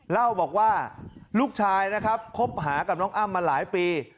เล่าบอกว่าลูกชายนะครับคบหากับน้องอ้ำมาหลายปี